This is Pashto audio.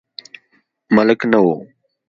ملک نه و.